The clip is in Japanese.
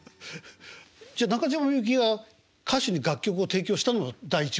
じゃ中島みゆきが歌手に楽曲を提供したのは第１号？